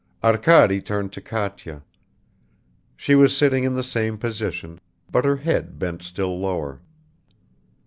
Arkady turned to Katya. She was sitting in the same position, but her head bent still lower.